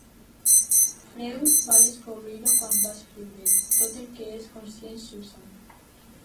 Freud va descobrir-ho quan va escriure: Tot el que és conscient s'usa.